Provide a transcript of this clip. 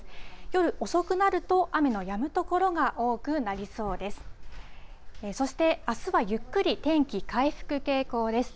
夜遅くなると雨のやむ所が多くなりそうです。